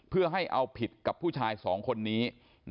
เพื่อให้เอาผิดกับผู้ชาย๒คนนี้